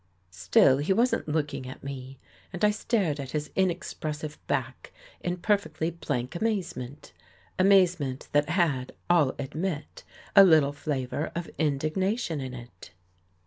Still he wasn't looking at me and I stared at his inexpressive back in perfectly blank amazement. Amazement that had. I'll admit, a little flavor of in dignation in it.